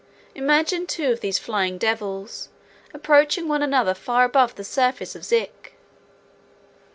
Imagine two of these Flying Devils approaching one another far above the surface of Zik.